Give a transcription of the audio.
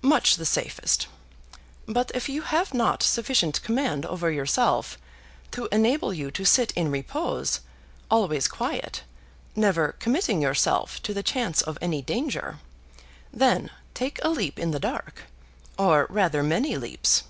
"Much the safest. But if you have not sufficient command over yourself to enable you to sit in repose, always quiet, never committing yourself to the chance of any danger, then take a leap in the dark; or rather many leaps.